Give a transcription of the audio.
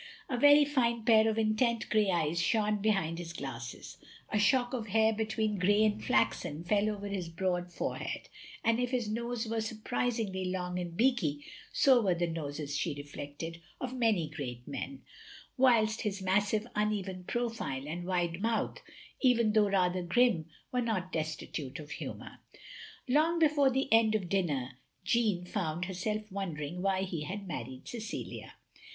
A very fine pair of intent grey eyes shone behind his glasses; a shock of hair between grey and flaxen fell over his broad forehead; and if his nose were surprisingly long and beaky, so were the noses, she reflected, of many great men; whilst his massive imeven profile, and wide mouth, even though rather grim, were not des titute of humotir. Long before the end of dinner Jeanne found herself wondering why he had married Cecilia.